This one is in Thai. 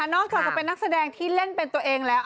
นอกจากจะเป็นนักแสดงที่เล่นเป็นตัวเองแล้ว